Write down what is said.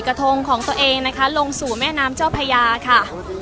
กระทงของตัวเองนะคะลงสู่แม่น้ำเจ้าพญาค่ะ